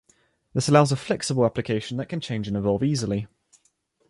This allows a flexible application that can change and evolve easily.